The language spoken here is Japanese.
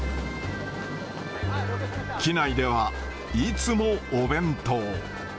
機内では、いつもお弁当。